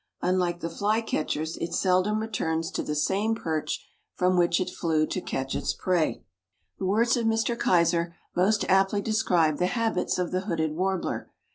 Unlike the flycatchers it seldom returns to the same perch from which it flew to catch its prey. The words of Mr. Keyser most aptly describe the habits of the Hooded Warbler.